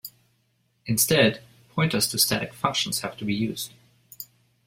Instead, pointers to static functions have to be used.